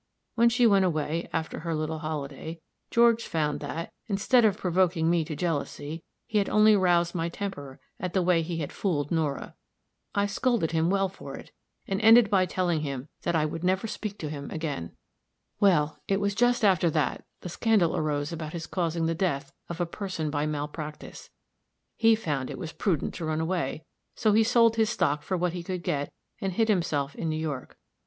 When she went away, after her little holiday, George found that, instead of provoking me to jealousy, he had only roused my temper at the way he had fooled Nora. I scolded him well for it, and ended by telling him that I never would speak to him again. "Well, it was just after that the scandal arose about his causing the death of a person by malpractice. He found it was prudent to run away; so he sold his stock for what he could get, and hid himself in New York.